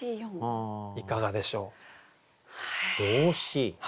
いかがでしょう？動詞。